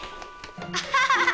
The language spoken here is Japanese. アハハハハ！